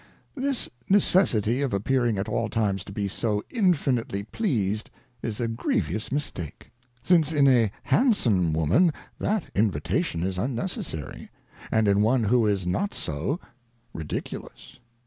This necessity of appearing at all times to be so infinitely pleased is a grievous mistake; since in a handsom Woman that Invitation is unnecessary ; and in one who is not so, ridiculous.